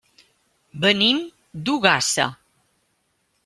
Venim d'Ogassa.